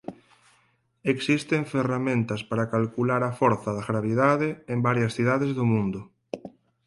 Existen ferramentas para calcular a forza da gravidade en varias cidades do mundo.